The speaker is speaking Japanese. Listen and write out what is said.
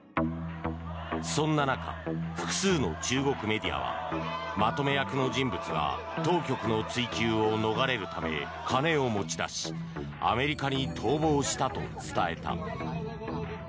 そんな中、複数の中国メディアはまとめ役の人物が当局の追及を逃れるため金を持ち出しアメリカに逃亡したと伝えた。